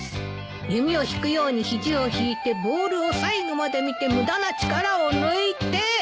弓を引くように肘を引いてボールを最後まで見て無駄な力を抜いて。